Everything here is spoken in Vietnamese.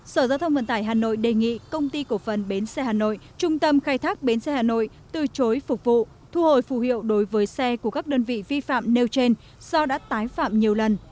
sở giao thông vận tải hà nội đề nghị công ty cổ phần bến xe hà nội trung tâm khai thác bến xe hà nội từ chối phục vụ thu hồi phù hiệu đối với xe của các đơn vị vi phạm nêu trên do đã tái phạm nhiều lần